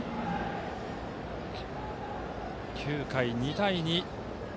９回、２対２。